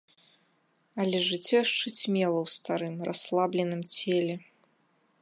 Але жыццё яшчэ цьмела ў старым, расслабленым целе.